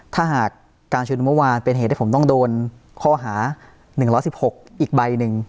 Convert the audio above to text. ถ้าหากการชืนหนุนเมื่อวานเป็นเหตุที่ผมต้องโดนข้อหาหนึ่งร้อยสิบหกอีกใบหนึ่ง